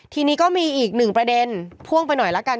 ทีนี้ก็มีอีกหนึ่งประเด็นพ่วงไปหน่อยละกัน